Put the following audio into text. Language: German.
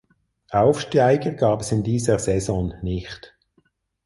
Aufsteiger gab es in dieser Saison nicht.